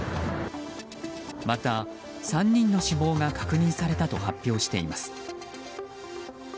また、３人の死亡が確認されたと発表しています。